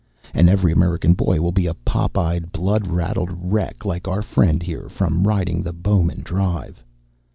And every American boy will be a pop eyed, blood raddled wreck, like our friend here, from riding the Bowman Drive."